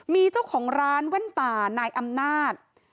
มีเจ้าของร้านแว่นตานายอำนาจ